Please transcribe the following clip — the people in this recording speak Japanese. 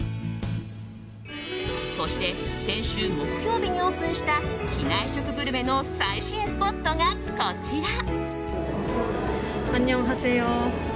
そして先週木曜日にオープンした機内食グルメの最新スポットがこちら。